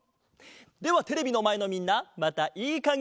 ではテレビのまえのみんなまたいいかげであおう！